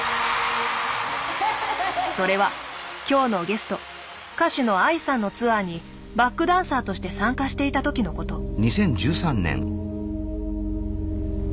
それは今日のゲスト歌手のＡＩさんのツアーにバックダンサーとして参加していた時のこと。